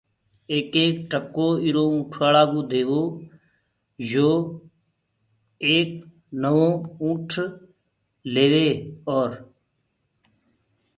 ايڪ ايڪ ٽڪو ايٚرو اُنٚٺوآݪائو ديئو يو ايڪ نوو اُنٚٺ ليوي اور